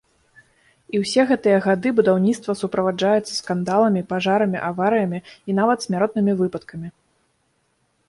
І ўсе гэтыя гады будаўніцтва суправаджаецца скандаламі, пажарамі, аварыямі і нават смяротнымі выпадкамі.